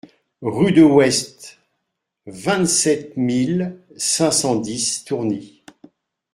Rue de West, vingt-sept mille cinq cent dix Tourny